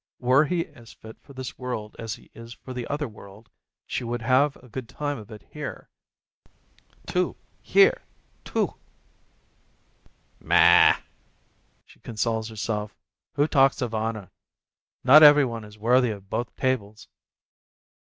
Were he as fit for this world as he is for the other world, she would have a good time of it here, too â€" here, too â€" "Ma!" she consoles herself, "who talks of honor? Not every one is worthy of both tables